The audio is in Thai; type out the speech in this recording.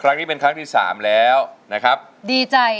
ทั้งในเรื่องของการทำงานเคยทำนานแล้วเกิดปัญหาน้อย